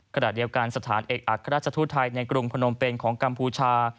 ขณะเดียวกันสถานเอกอัครราชทูตไทยในกรุงพนมเป็นของกัมพูชา